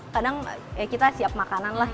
kadang ya kita siap makanan lah